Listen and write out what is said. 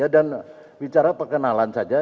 dan bicara perkenalan saja